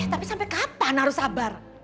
tapi sampai kapan harus sabar